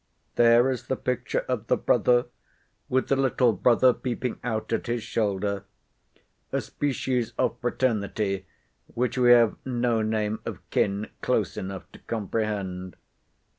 There is the picture of the brother, with the little brother peeping out at his shoulder; a species of fraternity, which we have no name of kin close enough to comprehend.